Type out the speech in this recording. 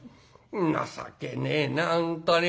情けねえな本当に。